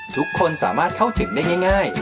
ทุกคนสามารถเข้าถึงได้ง่าย